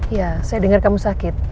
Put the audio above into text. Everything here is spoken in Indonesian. ya saya dengar kamu sakit